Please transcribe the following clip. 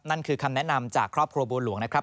นั่นคือคำแนะนำจากครอบครัวบัวหลวงนะครับ